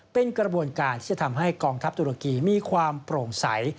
เป็นกระบวนการที่จะทำให้กองทัพตุรกีมีความโปร่งใส